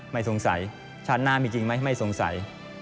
ไม่สงสัยชาติหน้ามีจริงไหมไม่สงสัย